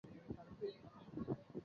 亦设观众打电话提问环节。